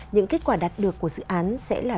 những kết quả đạt được của dự án sẽ là